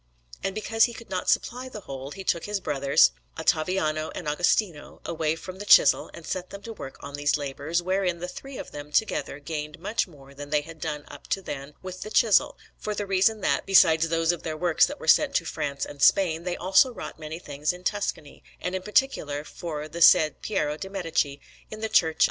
And because he could not supply the whole, he took his brothers, Ottaviano and Agostino, away from the chisel, and set them to work on these labours, wherein the three of them together gained much more than they had done up to then with the chisel, for the reason that, besides those of their works that were sent to France and Spain, they also wrought many things in Tuscany; and in particular, for the said Piero de' Medici, in the Church of S.